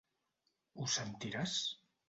Ho sentiràs?